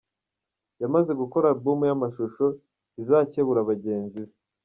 Yamaze gukora album y’amashusho izakebura bagenzi be.